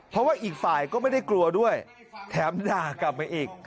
เพราะว่าอีกฝ่ายก็ไม่ได้กลัวด้วยแถมด่ากลับมาอีก